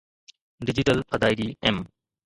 digital ادائيگي M